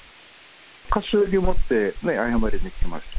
菓子折持って謝りに来ました。